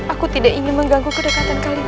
aku tidak ingin mengganggu kedekatan kalian